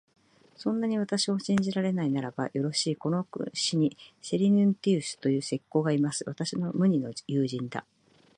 そんなに私を信じられないならば、よろしい、この市にセリヌンティウスという石工がいます。私の無二の友人だ。